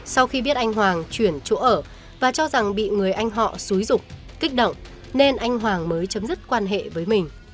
sau khi biết anh hoàng chuyển chỗ ở và cho rằng bị người anh họ xúi rục kích động nên anh hoàng mới chấm dứt quan hệ với mình